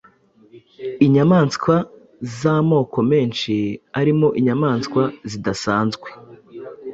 inyamaswa z’ amoko menshi arimo inyamaswa zidasanzwe